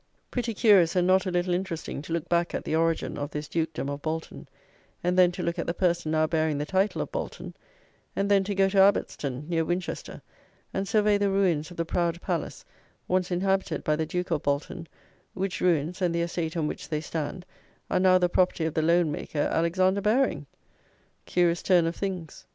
Pretty curious, and not a little interesting, to look back at the origin of this Dukedom of Bolton, and, then, to look at the person now bearing the title of Bolton; and, then, to go to Abbotston, near Winchester, and survey the ruins of the proud palace, once inhabited by the Duke of Bolton, which ruins, and the estate on which they stand, are now the property of the Loan maker, Alexander Baring! Curious turn of things!